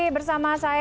sekarang kita mulai